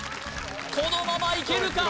このままいけるか？